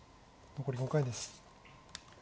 残り５回です。